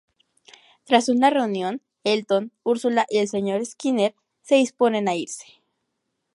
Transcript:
Tras una reunión, Elton, Ursula y el Sr. Skinner se disponen a irse.